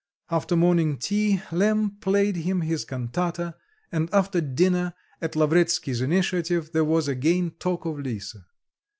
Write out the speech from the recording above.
After morning tea, Lemm played him his cantata, and after dinner, at Lavretsky's initiative, there was again talk of Lisa.